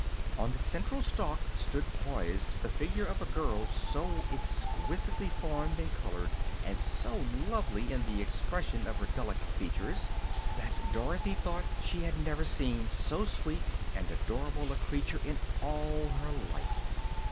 On the central stalk stood poised the figure of a girl so exquisitely formed and colored and so lovely in the expression of her delicate features that Dorothy thought she had never seen so sweet and adorable a creature in all her life.